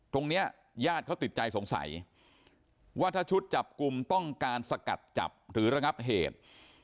ญาติเขาติดใจสงสัยว่าถ้าชุดจับกลุ่มต้องการสกัดจับหรือระงับเหตุ